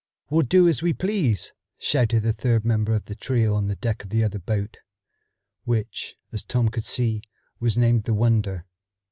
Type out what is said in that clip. "We'll do as we please," shouted the third member of the trio on the deck of the other boat, which, as Tom could see, was named the Wonder.